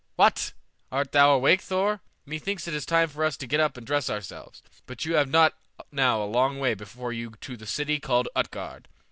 What! Art thou awake, Thor? Me thinks it is time for us to get up and dress ourselves; but you have not now a long way before you to the city called Utgard.